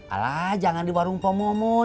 alah jangan di warung komumun